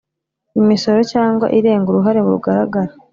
Imisoro cyangwa irenga uruhare rugaragara